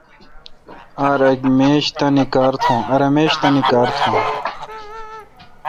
ار اک میش تانی کار تھوں۔